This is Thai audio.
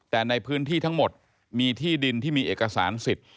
แต่ในพื้นที่ทั้งหมดมีที่ดินที่มีเอกสารสิทธิ์